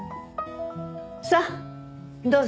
さあどうぞ。